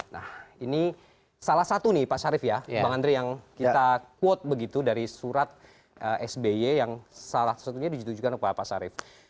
nah ini salah satu nih pak syarif ya bang andre yang kita quote begitu dari surat sby yang salah satunya ditujukan pak syarif